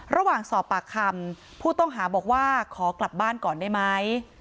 ระหว่างสอบปากคำผู้ต้องหาบอกว่าขอกลับบ้านก่อนได้ไหม